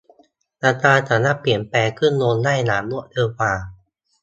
ราคาสามารถเปลี่ยนแปลงขึ้นลงได้อย่างรวดเร็วกว่า